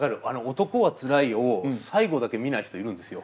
「男はつらいよ」を最後だけ見ない人いるんですよ。